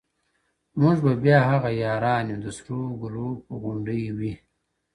موږ به بیا هغه یاران یو د سروګلو به غونډۍ وي -